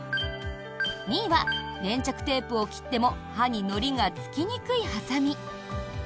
２位は粘着テープを切っても刃にのりがつきにくいハサミ。